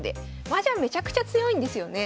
マージャンめちゃくちゃ強いんですよね。